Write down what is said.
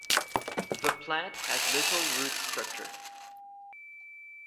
The plant has little root structure.